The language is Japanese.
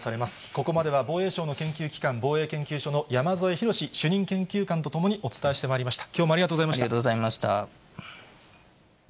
ここまでは防衛省の研究機関、防衛研究所の山添博史主任研究官と共にお伝えしてまいりました。